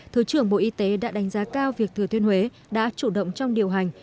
thứ trưởng bộ y tế đã đánh giá cao việc thừa thiên huế đã chủ động trong điều hành